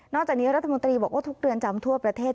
จากนี้รัฐมนตรีบอกว่าทุกเรือนจำทั่วประเทศ